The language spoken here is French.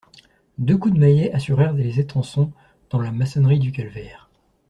Deux coups de maillets assurèrent les étançons dans la maçonnerie du calvaire.